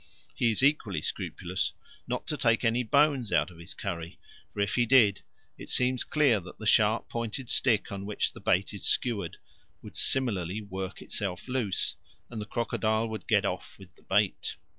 He is equally scrupulous not to take any bones out of his curry; for, if he did, it seems clear that the sharp pointed stick on which the bait is skewered would similarly work itself loose, and the crocodile would get off with the bait.